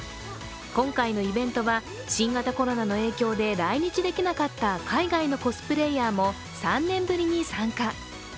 今回のイベントは新型コロナの影響で来日できなかった海外のコスプレイヤーも３年ぶりに参加。